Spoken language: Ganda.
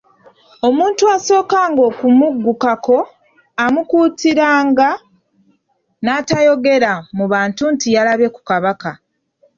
Omuntu asookanga okumuggukako, amukuutiranga n'atayogera mu bantu nti yalabye ku kabaka.